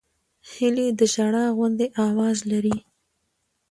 هیلۍ د ژړا غوندې آواز لري